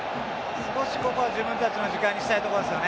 少し、ここは自分たちの時間にしたいところですね。